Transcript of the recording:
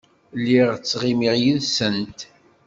Lliɣ ttɣimiɣ yid-sent.